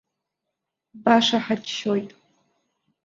Баша ҳаччоит.